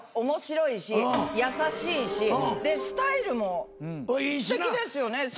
面白いし優しいしでスタイルもすてきですよね。